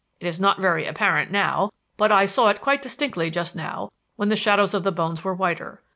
It is not very apparent now, but I saw it quite distinctly just now when the shadows of the bones were whiter.